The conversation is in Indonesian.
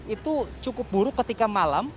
itu cukup buruk ketika malam